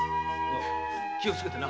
「気をつけてな」